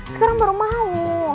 sekarang baru mau